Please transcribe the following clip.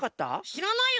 しらないよ